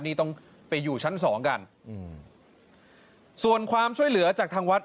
นี่ต้องไปอยู่ชั้นสองกันอืมส่วนความช่วยเหลือจากทางวัด